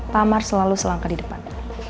pamar selalu selangkah di depan